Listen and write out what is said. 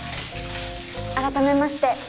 改めまして